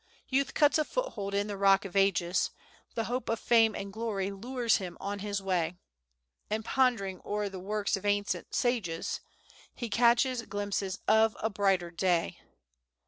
Youth cuts a foothold in the Rock of Ages; The hope of Fame and Glory lures him on his way, And, pondering o'er the works of ancient sages, He catches glimpses of a brighter day.